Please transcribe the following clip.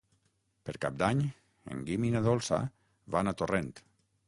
Per Cap d'Any en Guim i na Dolça van a Torrent.